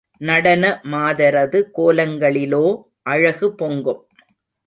நடன மாதரது கோலங்களிலோ அழகு பொங்கும்.